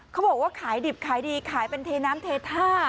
เขาบอกว่าขายดิบขายดีขายเป็นเทน้ำเทท่า